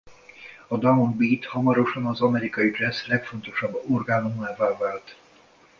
A Down Beat hamarosan az amerikai dzsessz legfontosabb orgánumává vált.